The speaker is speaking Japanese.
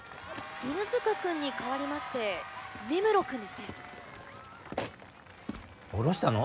犬塚くんにかわりまして根室くんですね降ろしたの？